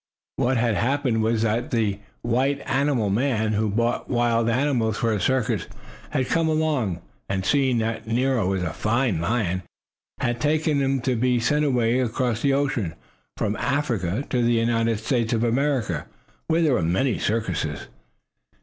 What had happened was that the white animal man, who bought wild animals for his circus, had come along, and, seeing that Nero was a fine lion, had taken him to be sent away across the ocean, from Africa to the United States of America, where there were many circuses.